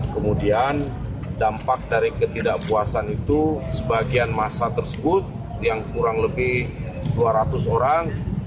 kemudian dampak dari ketidakpuasan itu sebagian masa tersebut yang kurang lebih dua ratus orang